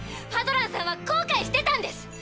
ファドランさんは後悔してたんです。